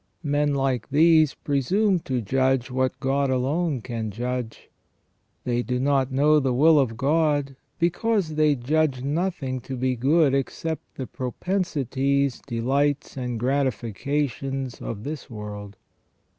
Men like these presume to judge what God alone can judge ; they do not know the will of God, because they judge nothing to be good except the propensities, delights, and gratifications of this world.